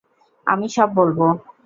আমি সব বলব!